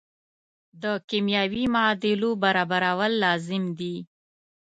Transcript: د کیمیاوي معادلو برابرول لازم دي.